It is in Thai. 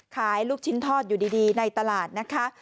ลูกชิ้นทอดอยู่ดีในตลาดนะคะ